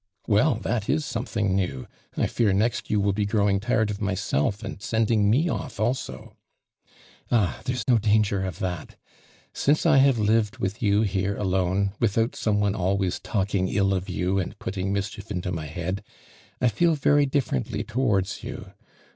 "Well that is something new ! I fear next you will be growing tired of myself and sending me oflTalso I" " Ah, there is no danger of that ! Since I have lived with you here alone, without some on« always talking ill of you, and putting mischief into my head, I feel very ditferent ly toward's you.